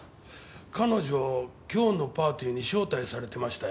彼女今日のパーティーに招待されてましたよね？